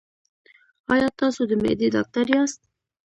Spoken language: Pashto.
ایا تاسو د معدې ډاکټر یاست؟